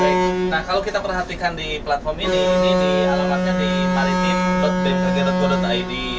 baik nah kalau kita perhatikan di platform ini ini di alamatnya di maritim bmkg go id